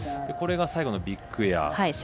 これが最後のビッグエア。